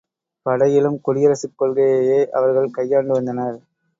படையிலும் குடியரசுக் கொள்கையையே அவர்கள் கையாண்டு வந்தனர்.